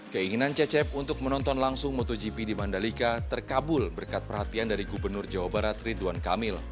keinginan cecep untuk menonton langsung motogp di mandalika terkabul berkat perhatian dari gubernur jawa barat ridwan kamil